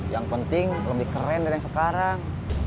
yang penting lebih keren dari yang sekarang